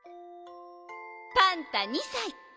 「パンタ２さい。